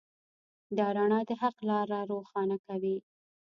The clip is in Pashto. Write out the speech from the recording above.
دا رڼا د حق لاره روښانه کوي.